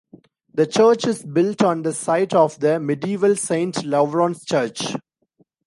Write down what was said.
The church is built on the site of the medieval Saint Lavrans Church.